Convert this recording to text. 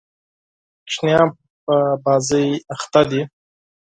ماشومان په لوبو بوخت دي.